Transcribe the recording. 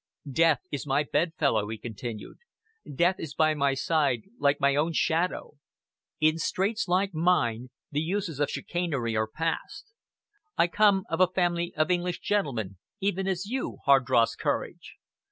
"Death is my bedfellow," he continued. "Death is by my side like my own shadow. In straits like mine, the uses of chicanery are past. I come of a family of English gentlemen, even as you, Hardross Courage.